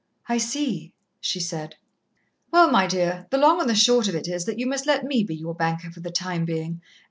"I see," she said. "Well, my dear, the long and the short of it is, that you must let me be your banker for the time being.